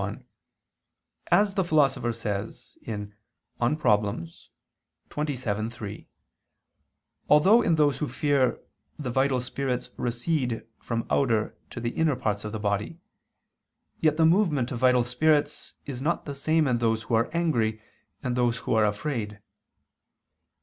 1: As the Philosopher says (De Problem. xxvii, 3), although in those who fear, the vital spirits recede from outer to the inner parts of the body, yet the movement of vital spirits is not the same in those who are angry and those who are afraid.